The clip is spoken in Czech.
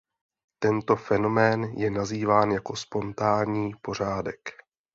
Tento fenomén je nazýván jako spontánní pořádek.